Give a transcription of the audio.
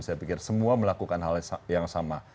saya pikir semua melakukan hal yang sama